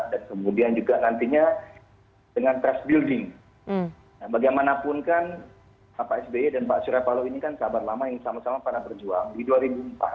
dan kemudian juga nantinya dengan trust building bagaimanapun kan pak sby dan pak surya paloh ini kan sahabat lama yang sama sama pernah berjuang di dua ribu empat